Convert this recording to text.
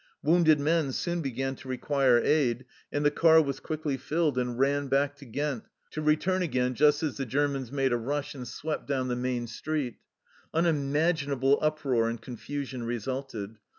Wounded men soon began to require aid, and the car was quickly filled and ran back to Ghent, to 5 34 THE CELLAR HOUSE OF PERVYSE return again just as the Germans made a rush and swept down the main street. Unimaginable uproar and confusion resulted.